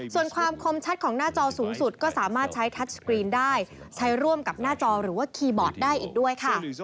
ส่วนความคมชัดของหน้าจอสูงสุดก็สามารถใช้ทัศกรีนได้ใช้ร่วมกับหน้าจอหรือว่าคีย์บอร์ดได้อีกด้วยค่ะ